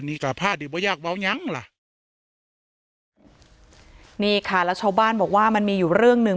นี่กับผ้าดิบว่ายากเบายังล่ะนี่ค่ะแล้วชาวบ้านบอกว่ามันมีอยู่เรื่องหนึ่ง